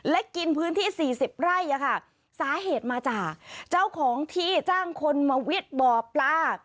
และกินพื้นที่สี่สิบไร่อะค่ะสาเหตุมาจากเจ้าของที่จ้างคนมาวิทย์บ่อปลา